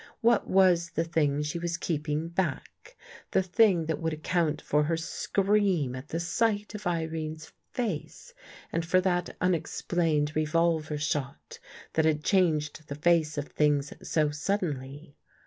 What was the thing she was keeping back — the thing that would account for her scream at the sight of Irene's face and for that unexplained revolver shot that had changed the face of things so sud denly?